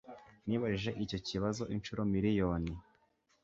Nibajije icyo kibazo inshuro miriyoni